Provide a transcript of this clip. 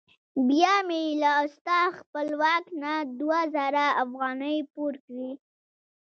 بیا مې له استاد خپلواک نه دوه زره افغانۍ پور کړې.